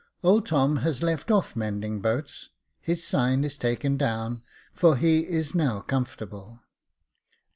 Old Tom has left off mending boats, his sign is taken down, for he is now comfortable.